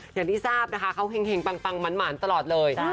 อย่างที่ทราบนะคะเขาเห็งปังหมานตลอดเลย